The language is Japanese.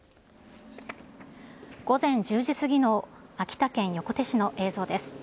午前１０時過ぎの秋田県横手市の映像です。